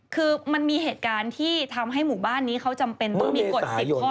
คือมันมีเหตุการณ์ที่ทำให้หมู่บ้านนี้เขาจำเป็นต้องมีกฎ๑๐ข้อ